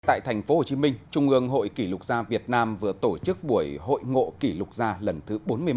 tại thành phố hồ chí minh trung ương hội kỷ lục gia việt nam vừa tổ chức buổi hội ngộ kỷ lục gia lần thứ bốn mươi một